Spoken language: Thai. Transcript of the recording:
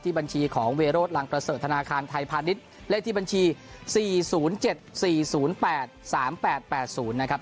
บัญชีของเวโรธลังประเสริฐธนาคารไทยพาณิชย์เลขที่บัญชี๔๐๗๔๐๘๓๘๘๐นะครับ